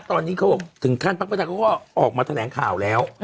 ตอนนี้ถึงขั้นปรักษาก็ออกมาแสดงข่าวแล้ว